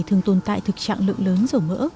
thường tồn tại thực trạng lượng lớn dầu mỡ